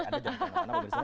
anda jangan kemana mana